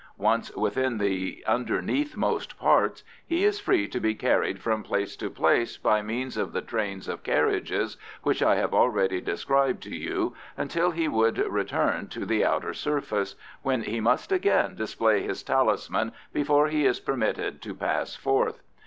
Once within the underneathmost parts he is free to be carried from place to place by means of the trains of carriages which I have already described to you, until he would return to the outer surface, when he must again display his talisman before he is permitted to pass forth.